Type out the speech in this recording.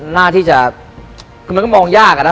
มันก็มองยากอะนะ